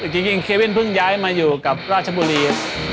จริงเควินเพิ่งย้ายมาอยู่กับราชบุรี